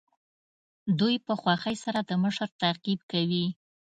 دوی په خوښۍ سره د مشر تعقیب کوي.